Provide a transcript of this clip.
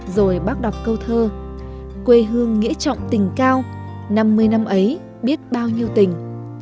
rồi bác đọc câu thơ quê hương nghĩa trọng tình cao năm mươi năm ấy biết bao nhiêu tình